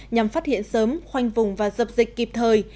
nhằm phát hiện sớm khoanh vùng và dập dịch kịp thời